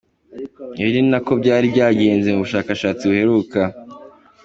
Ibi ni nako byari byagenze mu bushakashatsi buheruka.